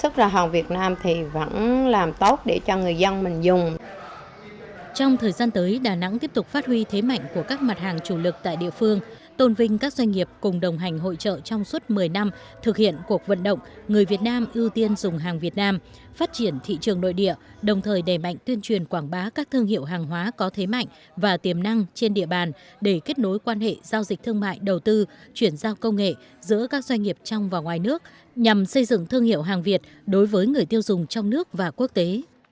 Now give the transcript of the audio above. trong thời gian tới đà nẵng tiếp tục phát huy thế mạnh của các mặt hàng chủ lực tại địa phương tôn vinh các doanh nghiệp cùng đồng hành hội trợ trong suốt một mươi năm thực hiện cuộc vận động người việt nam ưu tiên dùng hàng việt nam phát triển thị trường nội địa đồng thời đề mạnh tuyên truyền quảng bá các thương hiệu hàng hóa có thế mạnh và tiềm năng trên địa bàn để kết nối quan hệ giao dịch thương mại đầu tư chuyển giao công nghệ giữa các doanh nghiệp trong và ngoài nước nhằm xây dựng thương hiệu hàng việt đối với người tiêu dùng trong nước và quốc tế